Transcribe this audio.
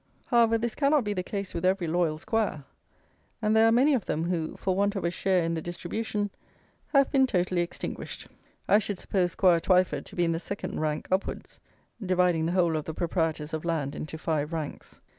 However, this cannot be the case with every loyal squire; and there are many of them who, for want of a share in the distribution, have been totally extinguished. I should suppose Squire Twyford to be in the second rank upwards (dividing the whole of the proprietors of land into five ranks).